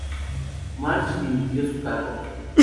March dimitió de su cargo.